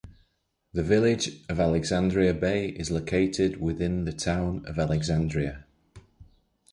The Village of Alexandria Bay is located within the Town of Alexandria.